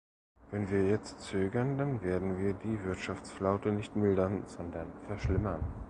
Wenn wir jetzt zögern, dann werden wir die Wirtschaftsflaute nicht mildern, sondern verschlimmern.